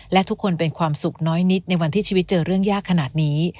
และทุกคนเป็นความสุขน้อยนิดในวันที่ชีวิตเจอเรื่องยากขนาดนี้